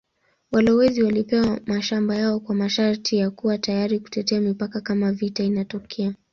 Walowezi walipewa mashamba yao kwa masharti ya kuwa tayari kutetea mipaka kama vita inatokea.